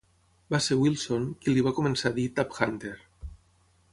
Va ser Willson qui li va començar a dir Tab Hunter.